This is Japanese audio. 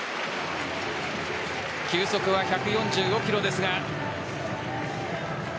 球速は１４５キロですが。